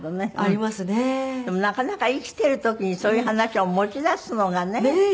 でもなかなか生きている時にそういう話を持ち出すのがね。